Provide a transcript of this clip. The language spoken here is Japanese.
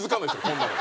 こんなの。